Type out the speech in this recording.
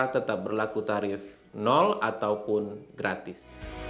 tetap berlaku tarif ataupun gratis